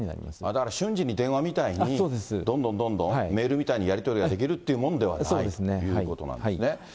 だから、瞬時に電話みたいにどんどんどんどん、メールみたいにやり取りができるというもんではないということですね。